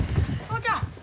お父ちゃん！